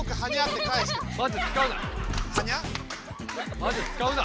マジで使うな！